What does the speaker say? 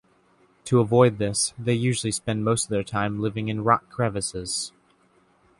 To avoid this, they usually spend most of their time living in rock crevices.